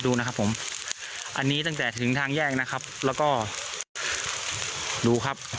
ดูนะครับผมอันนี้ตั้งแต่ถึงทางแยกนะครับแล้วก็ดูครับ